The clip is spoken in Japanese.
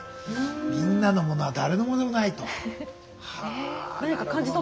「みんなのものは誰のものでもない」と。はなるほどな。